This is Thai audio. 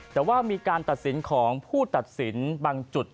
แต่ว่ามีการตัดสินของผู้ตัดสินบางจุด